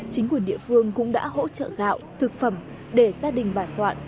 chính quyền địa phương cũng đã hỗ trợ gạo thực phẩm để gia đình bà soạn